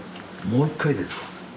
・もう一回ですか？